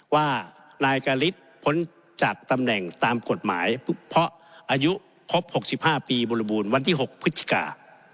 ว่านายกาลิศพ้นจากตำแหน่งตามกฎหมายเพราะอายุครบ๖๕ปีบริบูรณ์วันที่๖พฤศจิกา